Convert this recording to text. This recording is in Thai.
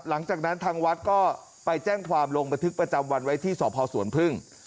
หลังจากนั้นทางวัดก็ไปแจ้งความลงบันทึกประจำวันไว้ที่สพสวนพึ่ง